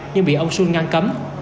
nhưng bị ông xuân ngăn cấm